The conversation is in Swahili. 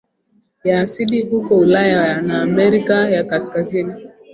ya asidi huko Ulaya na Amerika ya Kaskazin